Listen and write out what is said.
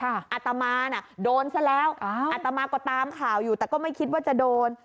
อาตมาน่ะโดนซะแล้วอัตมาก็ตามข่าวอยู่แต่ก็ไม่คิดว่าจะโดน